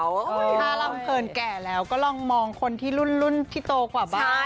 ถ้ารำเพลินแก่แล้วก็ลองมองคนที่รุ่นที่โตกว่าบ้าน